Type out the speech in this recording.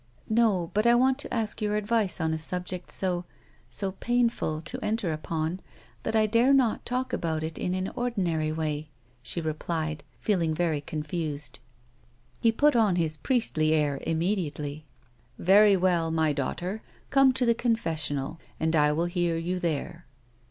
"No, but I want to ask your advice on a subject so — so painful to enter upon, that I dare not talk about it in an ordinary way," she replied, feeling very confused. He put on his priestly air immediately. " Very well, my daughter, come to the confessional, and I will hear you there."